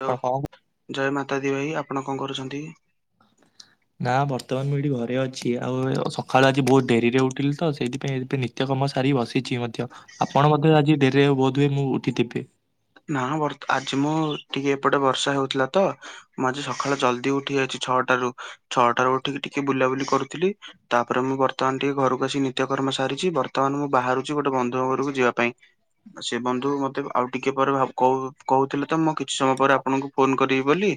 Hello ଜୟ ମାତା ଦୀ ଭାଇ ଆପଣ କଁ କରୁଛନ୍ତି? ନା ବର୍ତ୍ତମାନ ମୁଁ ଏଠି ଘରେ ଅଛି ଆଉ ସକାଳୁ ଆଜି ବହୁତ୍ ଡେରିରେ ଉଠିଲି ତ ସେଇଥିପାଇଁ ଏବେ ନି ତ୍ୟକମ ସାରି ବସିଛି ମଧ୍ୟ ଆପଣ ମଧ୍ୟ ଆଜି ଡେରିରେ ବୋଧ୍ ହୁଏ ମୁଁ ଉଠିଥିବେ। ନା ବର୍ତ ଆଜି ମୁଁ ଟିକେ ଏପଟେ ବର୍ଷା ହେଉଥିଲା ତ ମୁଁ ଆଜି ସଖାଳୁ ଜଲ୍ଦି ଉଠି ଯାଇଚି ଛଅଟାରୁ ଛଅଟାରୁ ଉଠିକି ଟିକେ ବୁଲାବୁଲି କରୁଥିଲି ତାପରେ ମୁଁ ବର୍ତ୍ତମାନ ଟିକେ ଘରକୁ ଆସିିକ ନିତ୍ୟକର୍ମ ସାରିଚି ବର୍ତ୍ତମାନ ମୁଁ ବାହାରୁଚି ଗୋଟେ ବନ୍ଧୁଙ୍କ ଘରକୁ ଯିବା ପାଇଁ। ଅ ସେ ବନ୍ଧୁ ମତେ ଆଉ ଟି କିଏ ପରେ ଭାବ୍ କଉ କଉଥିଲେ ତ ମୁଁ କିଛି ସମୟ ପରେ ଆପଣଙ୍କୁ ଫୋନ୍ କରିବି ବୋଲି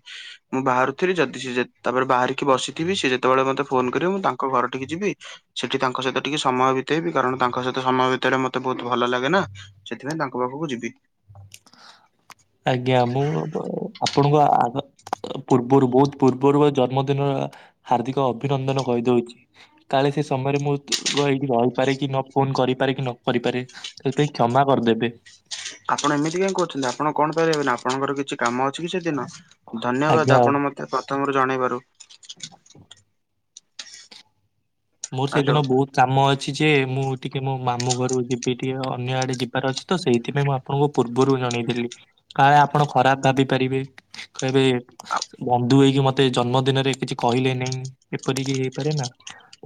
ମୁଁ ବାହାରୁଥିଲି ଯଦି ସେ ଯ ତାପରେ ବାହାରିକି ବସିଥିବି ସେ ଯେତେବେଳେ ମତେ ଫୋନ୍ କରିବ ମୁଁ ତାଙ୍କ ଘରଠିକି ଯିବି। ସେଠି ତାଙ୍କ ସହିତ ଟିକେ ସମୟ ବିତେଇବି କାରଣ ତାଙ୍କ ସହିତ ସମୟ ବିତେଇଲେ ମତେ ବହୁତ୍ ଭଲ ଲାଗେ ନା ସେଥିପାଇଁ ତାଙ୍କ ପାଖକୁ ଯିବି। ଆଜ୍ଞା ମୁଁ ବ ଆପଣଙ୍କୁ ଆଘ ପୂର୍ବରୁ ବହୁତ୍ ପୂର୍ବରୁ ଅ ଜନ୍ମଦିନ ହାର୍ଦ୍ଦିକ ଅଭିନନ୍ଦନ କହି ଦଉଚି। କାଳେ ସେ ସମୟରେ ମୁଁ ଏଇଠି ରହିପାରେ କି ନ ଫୋନ୍ କରିପାରେ କି ନକରିପାରେ ସେଇ ପାଇଁ କ୍ଷମା କରିଦେବେ। ଆପଣ ଏମିତି କାଇଁ କଉଛନ୍ତି ଆପଣ କଣ ପାଇଁ ରହିବେନି ଆପଣଙ୍କର କିଛି କାମ ଅଛି କି ସେଦିନ ଧନ୍ୟବାଦ୍ ଆଜ୍ଞା ଆପଣ ମତେ ପ୍ରଥମରୁ ଜଣେଇବାରୁ। ମୋର୍ ହ୍ୟାଲୋ ସେଇଦିନ ବହୁତ୍ କାମ ଅଛି ଯେ ମୁଁ ଟିକେ ମୋ ମାମୁଁ ଘରୁକୁ ଯିବି ଟିକେ ଅନ୍ୟ ଆଡେ ଯିବାର ଅଛି ତ ସେଇଥିପାଇଁ ମୁଁ ଆ ମୁଁ ପୂର୍ବରୁ ଜଣେଇ ଦେଲି କାଳେ ଆପଣ ଖରାପ୍ ଭାବି ପାରିବେ କହିବେ ସେ ବନ୍ଧୁ ହେଇକି ମତେ ଜନ୍ମଦିନରେ କିଛି କହିଲେନି ଏପରିକି ହେଇପାରେ ନା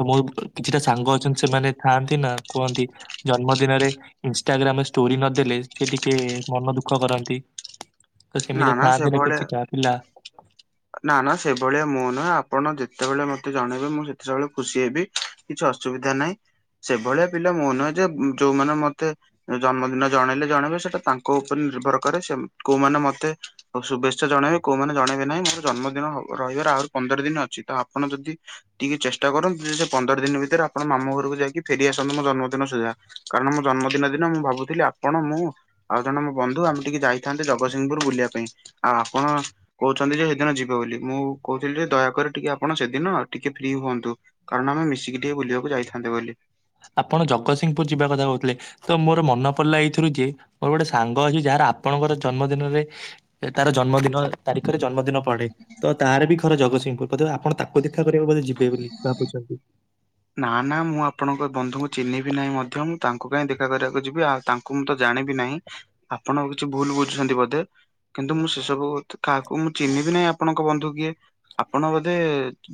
ଓ ମୋ କିଛିଟା ସାଙ୍ଗ ଅଛନ୍ତି ସେମାନେ ଥାଆନ୍ତି ନା କୁଅନ୍ତି ଜନ୍ମଦିନରେ ଇନଷ୍ଟାଗ୍ରାମ୍ ରେ ଷ୍ଟୋରି ନଦେଲେ ସେ ଟିକେ ମନ ଦୁଃଖ କରନ୍ତି। ତ ନା ସେମିତିଆ ଥାଆନ୍ତି ନା ସେଭଳିଆ କିଛିଟା ପିଲା। ନା ନା ସେ ଭଳିଆ ମୁଁ ନୁଅ ଆପଣ ଯେତେବେଳେ ମତେ ଜଣେଇବେ ମୁଁ ସେତେବେଳେ ଖୁସି ହେବି। କିଛି ଅସୁବିଧା ନାଇ ସେ ଭଳିଆ ପିଲା ମୁଁ ନୁଅ ଯେ ଯୋଉମାନେ ମତେ ଜନ୍ମଦିନ ଜଣେଇଲେ ଜଣେଇବେ ସେଟା ତାଙ୍କ ଉପରେ ନିର୍ଭର କରେ ସେମ୍ କୋଉ ମାନେ ମତେ ଆଉ ଶୁଭେଚ୍ଛା ଜଣେଇବେ କୋଉମାନେ ଜଣେଇବେ ନାହିଁ ମୋର ଜନ୍ମଦିନ ରହିବାର ଆହୁରି ପନ୍ଦର ଦିନ ଅଛି ତ ଆପଣ ଯଦି ଟିକେ ଚେଷ୍ଟା କରନ୍ତୁ ଯେ ସେ ପନ୍ଦର ଦିନ ଭିତରେ ଆପଣ ମାମୁଁ ଘରକୁ ଯାଇକି ଫେରିଆସନ୍ତୁ ମୋ ଜନ୍ମଦିନ ସୁଦ୍ଧା କାରଣ ମୋ ଜନ୍ମଦିନ ଦିନ ମୁଁ ଭାବୁଥିଲି ଆପଣ ମୁଁ ଆଉ ଜଣେ ମୋ ବନ୍ଧୁ ଆମେ ଟିକେ ଯାଇଥାନ୍ତେ ଜଗସିଂହପୁର ବୁଲିଆ ପାଇଁ ଆଉ ଆପଣ କହୁଛନ୍ତି ଯେ ଦିନ ଯିବ ବୋଲି ମୁଁ କହୁଥିଲି ଯେ ଦୟାକରି ଟିକେ ଆପଣ ସେଦିନ ଟିକେ ଫ୍ରି ହୁଅନ୍ତୁ। କାରଣ ଆମେ ମିଶିକି ଟିକେ ବୁଲିଆକୁ ଯାଇଥାନ୍ତେ ବୋଲି। ଆପଣ ଜଗସିଂପୁର୍ ଯିବା କଥା କହୁଥିଲେ ତ ମୋର ମନ ପଡ଼ିଲା ଏଇଥିରୁ ଯେ ମୋର ଗୋଟେ ସାଙ୍ଗ ଅଛି ଯାହାର ଆପଣଙ୍କର ଜନ୍ମଦିନରେ ଏ ତାର ଜନ୍ମଦିନ ତାରିଖରେ ଜନ୍ମଦିନ ପଡେ ତାର ବି ଘର ଜଗସିଂହପୁର୍ ବୋଧେ ଆପଣ ତାକୁ ଦେଖା କରିବାକୁ ବୋଧେ ଯିବେ ବୋଲି ଭାବୁଛନ୍ତି। ନା ନା ମୁଁ ଆପଣଙ୍କ ବନ୍ଧୁଙ୍କୁ ଚିହ୍ନିବି ନାହିଁ ମଧ୍ୟ ମୁଁ ତାଙ୍କୁ କାଇଁ ଦେଖା କରିବାକୁ ଯିବି ଆଉ ତା ଙ୍କୁ ତ ଜାଣିବି ନାହିଁ ଆପଣ କିଛି ଭୁଲୁ ବୁଝୁଛନ୍ତି ବୋଧେ। କିନ୍ତୁ ମୁଁ ସେ ସବୁ ତ୍ କାହାକୁ ମୁଁ ଚିହ୍ନିବି ନାଇ ଆପ୍ ପଣଙ୍କ ବନ୍ଧୁ କିଏ ଆପଣ ବୋଧେ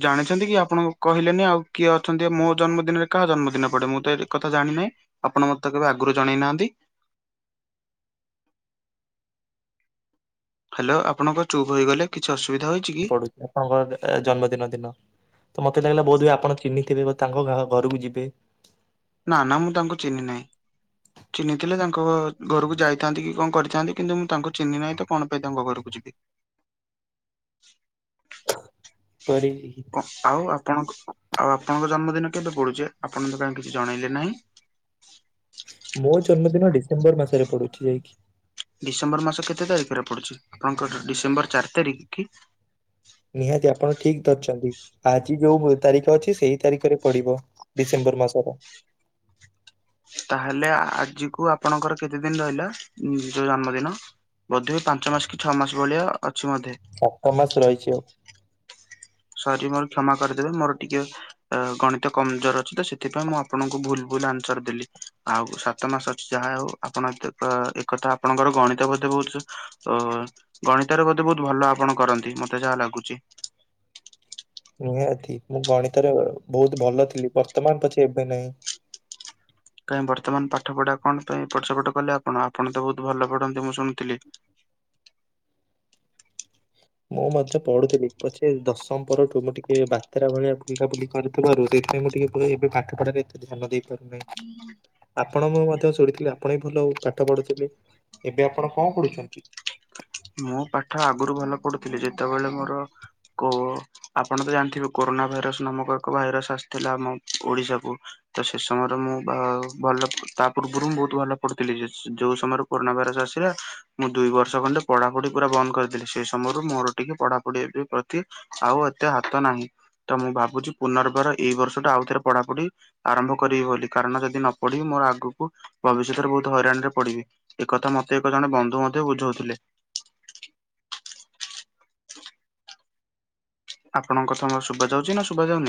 ଜାଣିଛନ୍ତି କି ଆପଣ କହିଲେନି ଆଉ କିଏ ଅ ଛନ୍ତି ମୋ ଜନ୍ମଦିନରେ କାହା ଜନ୍ମଦିନ ପଡେ ମୁଁ ତ ଏ କଥା ଜାଣିି ନାହିଁ ଆପଣ ମତେ କେବେ ଆଗରୁ ଜଣେଇନାହାନ୍ତି। ହାଲୋ ଆପଣ କଁ ଚୁପ୍ ହୋଇଗଲେ କିଛି ଅସୁବିଧା ହୋଇ ପଡୁଛି ଆପଣଙ୍କ ଜନ୍ମଦିନ ଦିନ ତ ମତେ ଲାଗିଲା ବହୁତ ହୁଏ ଆପଣ ଚିହ୍ନିଥିବେ ତା ଘରକୁ ଯିବେ। ନା ନା ମୁଁ ତାଙ୍କୁ ଚିହ୍ନି ନାହିଁ। ଚିହ୍ନିଥିଲେ ତାଙ୍କ ଘ ଘରକୁ ଯାଇଥାନ୍ତି କି କଣ କରିଥାନ୍ତି କିନ୍ତୁ ମୁଁ ତାଙ୍କୁ ଚିହ୍ନି ନାହିଁ ତ କଣ ପାଇଁ ତାଙ୍କ ଘରକୁ ଯିବି। ପରିବ [inaudible] କ ଆଉ ଆପଣଙ୍କ ଆଉ ଆପଣଙ୍କ ଜନ୍ମଦିନ କେବେ ପଡୁଛି ଆପଣଙ୍କ ପାଇଁ କିଛି ଜଣେଇଲେ ନାହିଁ। ମୋ ଜନ୍ମଦିନ ଡିସେମ୍ବର ମାସରେ ପଡୁଛି ଯାଇକି। ଡିସେମ୍ବର ମାସ କେତେ ତାରିଖରେ ପଡୁଛି ଆପଣଙ୍କର ଡିସେମ୍ବର ଚାରି ତାରିଖ କି? ନିହାତି ଆପଣ ଠିକ ଧରିଛନ୍ତି ଆଜି ଯୋଉ ତାରିଖ ଅଛି ସେଇ ତାରିଖରେ ପଡିବ। ଡିସେମ୍ବର ମାସର ତାହେଲେ ଆଜି କୁ ଆପଣଙ୍କର କେତେ ଦିନ ରହିଲା ଯୋଉ ଜନ୍ମଦିନ ବୋଧହୁଏ ପାଞ୍ଚ ମାସ କି ଛଅ ମାସ ଭଳିଆ ଅଛି ମଧେ ସାତମାସ ରହିଛି ଆଉ। ସରି ମୋର କ୍ଷମା କରିଦେବେ ମୋର ଟିକେ ଅ ଗଣିତ କମଜୋର ଅଛି ତ ସେଥିପାଇଁ ମୁଁ ଆପଣଙ୍କୁ ଭୁଲ ଭୁଲ ଆନ୍ସର ଦେଲି। ଆଉ ସାତ ମାସ ଅଛି ଯାହା ହଉ ଆପଣ ଏ ଏକଥା ଆପଣଙ୍କର ଗଣିତ ବୋ ବହୁତ ତ ଗଣିତରେ ବୋଧେ ବହୁତ ଭଲ ଆପଣ କରନ୍ତି ମତେ ଯାହା ଲାଗୁଛି। [inaudible] ନିହାଁତି ମୁଁ ଗଣିତରେ ବହୁତ ଭଲ ଥିଲି ବର୍ତ୍ତମାନ ପଛେ ଏବେ ନାହିଁ। କାହିଁ ବର୍ତ୍ତମାନ ପାଠ ପଢା କଣ ପାଇଁ ଏପଟସେପଟ କଲେ ଆପଣ ଆପଣ ତ ବହୁତ ଭଲ ପଢନ୍ତି ମୁଁ ଶୁଣିଥିଲି। ମୁଁ ମଧ୍ୟ ପଢ଼ୁଥିଲି ପଛେ ଦଶମ ପରଠୁ ମୁଁ ଟିକେ ବାତେରା ଭଳିଆ ବୁଲିକା ବୁଲିିକି କରିଥିବାରୁ ସେଥିପାଇ ମୁଁ ଟିକେ କ ଏବେ ପାଠପଢ଼ାରେ ଏତେ ଧ୍ୟାନ ଦେଇପାରୁନି। ଆପଣ ମୁଁ ମଧ୍ୟ ଶୁଣିଥିଲି ଆପଣ ହି ଭଲ ପାଠ ପଢୁଥିଲେ। ଏବେ ଆପଣ କଣ କଢୁଛନ୍ତି? ମୁଁ ପାଠ ଆଗରୁ ଭଲ ପଢୁଥିଲି ଯେତେବେଳେ ମୋର କୋଅ ଆପଣ ତ ଜାଣିଥିବେ କୋରୋନା ଭାଇରସ ନାମକ ଏକ ଭାଇରସ ଆସିଥିଲା ଆମ ଓଡିଶାକୁ ତ ସେ ସମୟରେ ମୁଁ ଭା ଭଲ ତା ପୂର୍ବରୁ ମୁଁ ବହୁତ ଭଲ ପଢୁଥିଲି ଯ -ଯୋଉ ସମୟରେ କୋନା ଭାଇରସ ଆସିଲା ମୁଁ ଦୁଇ ବର୍ଷ ଖଣ୍ଡେ ପଢାପଢି ପୁରା ବନ୍ଦ କରିଦେଲେ ସେଇ ସମୟରୁ ମୋର ଟିକେ ପଢାପଢି ଏବେ ପ୍ରତି ଆଉ ଏତେ ହାତ ନାହିଁ। ତ ମୁଁ ଭାବୁଛି ପୁନର୍ବାର ଏଇ ବର୍ଷ ଟା ଆଉଥରେ ପଢାପଢି ଆରମ୍ଭ କରିବି ବୋଲି କାରଣ ଯଦି ନ ପଢିବି ମୋର ଆଗକୁ ଭବିଷ୍ୟତରେ ବହୁତ ହଇରାଣ ରେ ପଢିବି। ଏକଥା ମତେ ଏକ ଜଣେ ବନ୍ଧୁ ମଧ୍ୟ ବୁଝଉଥିଲେ। ଆପଣଙ୍କ କଥାମ ଶୁଭ ଯାଉଛି ନା ଶୁଭ ଯାଉନି।